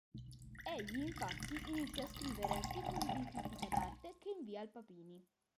Egli infatti inizia a scrivere articoli di critica d'arte che invia al Papini.